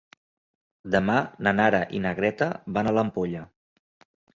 Demà na Nara i na Greta van a l'Ampolla.